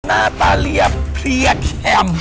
หน้าตาเรียบเพรียดแข็ม